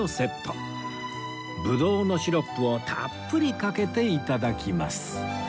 ぶどうのシロップをたっぷりかけて頂きます